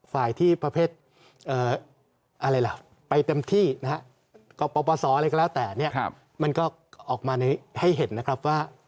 ฝ่ายที่ประเภทไปเต็มที่นะครับ